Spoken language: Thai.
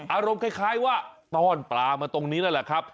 อารมณ์คล้ายว่าต้อนปลามาตรงนี้นั่นแหละครับ